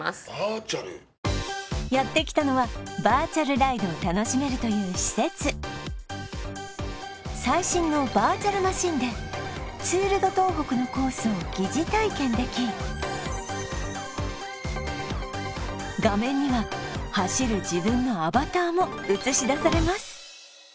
やってきたのはバーチャルライドを楽しめるという施設最新のバーチャルマシンでツール・ド・東北のコースを疑似体験でき画面には走る自分のアバターも映し出されます